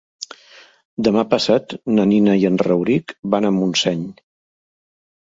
Demà passat na Nina i en Rauric van a Montseny.